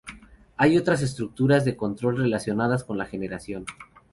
Hay otras estructuras de control relacionadas con la generación.